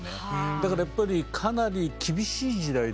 だからやっぱりかなり厳しい時代ですよね。